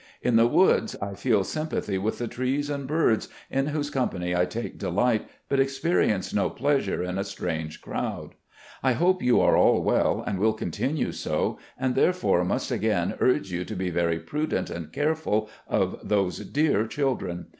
In the woods, I feel S3mipathy with the trees and birds, in whose company I take delight, but experience no pleasure in a strange crowd. I hope you are all well and will continue so, and, therefore, must again urge you to be very prudent and careful of those dear children.